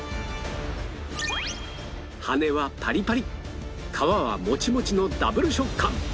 羽根はパリパリ皮はモチモチのダブル食感